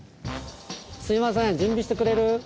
すいません準備してくれる？